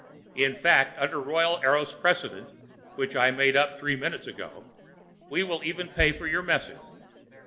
In fact, under royal Eros precedent, which I made up three minutes ago, we will even pay for your message.